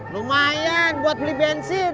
lumayan buat beli bensin